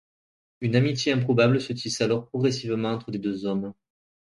Une amitié improbable se tisse alors progressivement entre les deux hommes.